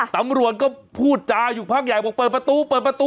ตำรวจก็พูดจาอยู่ภาคใหญ่บอกเปิดประตูเถอะ